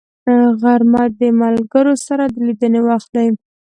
غرمه د ملګرو سره د لیدنې وخت دی